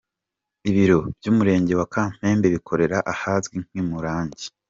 Ibiro by’umurenge wa Kamembe bikorera ahazwi nk’i Murangi .